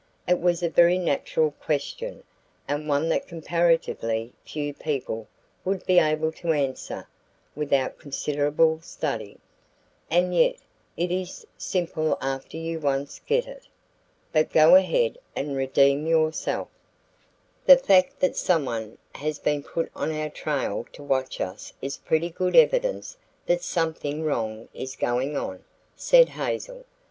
"It was a very natural question and one that comparatively few people would be able to answer without considerable study. And yet, it is simple after you once get it. But go ahead and redeem yourself." "The fact that someone has been put on our trail to watch us is pretty good evidence that something wrong is going on," said Hazel.